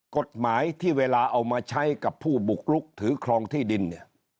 กฎหมายที่เวลาเอามาใช้กับผู้บุกลุกถือครองที่ดินเนี่ย